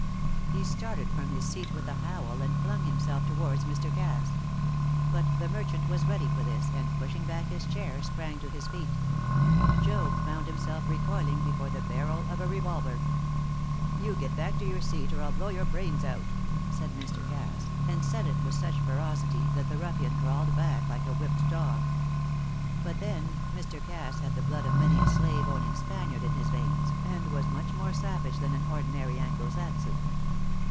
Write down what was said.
He started from his seat with a howl, and flung himself towards Mr. Cass. But the merchant was ready for this, and pushing back his chair sprang to his feet. Job found himself recoiling before the barrel of a revolver. "You get back to your seat, or I'll blow your brains out!" said Mr. Cass, and said it with such ferocity that the ruffian crawled back like a whipped dog. But, then, Mr. Cass had the blood of many a slave owning Spaniard in his veins, and was much more savage than an ordinary Anglo Saxon.